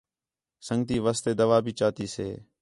سنڳتی واسطے دَوا بھی چاتی سے